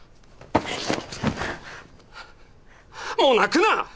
もう泣くな！